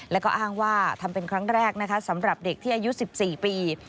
แล้วก็อ้างว่าทำเป็นครั้งแรกนะคะสำหรับเด็กที่อายุ๑๔ปี